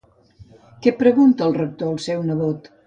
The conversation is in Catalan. Què pregunta el Rector al seu nebot?